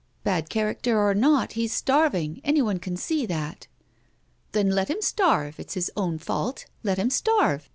Bad character or not, he's starving. Anyone can see that." "Then let him starve. It's his own fault. Let him starve